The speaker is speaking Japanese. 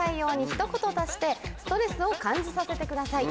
「一言足してストレスを感じさせて下さい」。